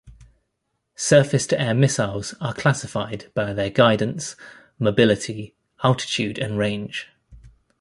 Surface-to-air missiles are classified by their guidance, mobility, altitude and range.